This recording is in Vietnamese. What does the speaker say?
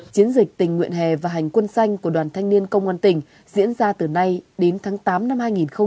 chiến dịch tình nguyện hè và hành quân sanh của đoàn thanh niên công an tỉnh diễn ra từ nay đến tháng tám năm hai nghìn một mươi chín